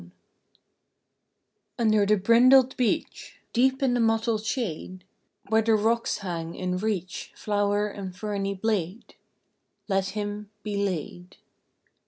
REST Under the brindled beech, Deep in the mottled shade, Where the rocks hang in reach Flower and ferny blade, Let him be laid.